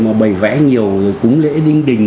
mà bày vẽ nhiều rồi cúng lễ đinh đình